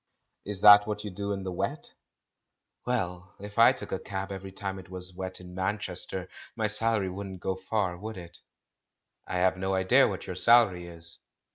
"Is that what you do in the wet?" "Well, if I took a cab every time it was wet in Manchester, my salary wouldn't go far, would it?" "I have no idea what your salary is."